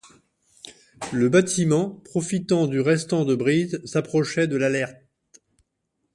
Le bâtiment, profitant du restant de brise, s’approchait de l’Alert.